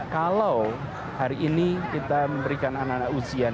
kalau hari ini kita memberikan anak anak ujian